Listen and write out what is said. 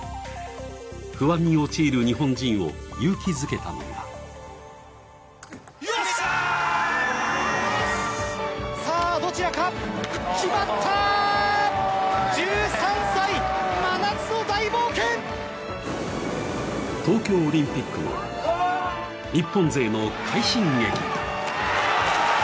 不安に陥る日本人を勇気づけたのが東京オリンピックの日本勢の快進撃。